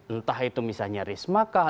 entah itu misalnya risma kah